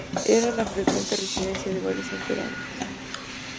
Era la frecuente residencia de varios emperadores.